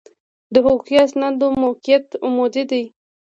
د حقوقي اسنادو موقعیت عمودي دی.